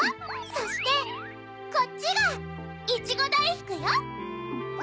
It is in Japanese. そしてこっちがいちごだいふくよ！